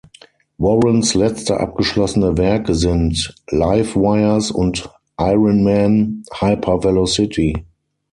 Warrens letzte abgeschlossene Werke sind „Livewires“ und „Iron Man: Hypervelocity“.